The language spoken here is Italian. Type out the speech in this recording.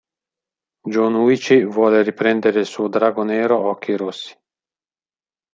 Jonouchi vuole riprendere il suo Drago Nero Occhi Rossi.